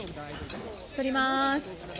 撮ります。